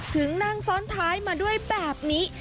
นั่งซ้อนท้ายมาด้วยแบบนี้